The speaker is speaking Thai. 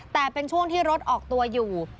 แต่เป็นช่วงที่รถออกตัวอยู่